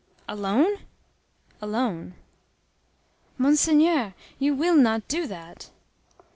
"Alone?" "Alone." "Monseigneur, you will not do that!"